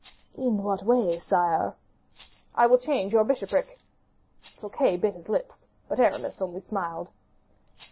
"In what way, sire?" "I will change your bishopric." Fouquet bit his lips, but Aramis only smiled.